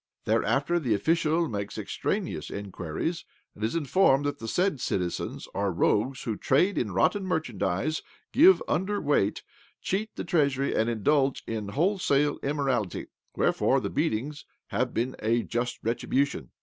Thereafter the official makes extraneous inquiries, and is informed that the said citizens are rogties who trade in rotten merchandise, give underweight, cheat the Treasury, and indulge in wholesale im morality ; wherefore the beatings have been a just retribution."